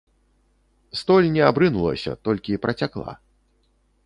Столь не абрынулася, толькі працякла.